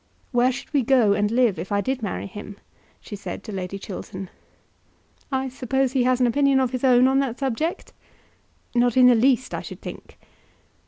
"Where should we go and live if I did marry him?" she said to Lady Chiltern. "I suppose he has an opinion of his own on that subject?" "Not in the least, I should think."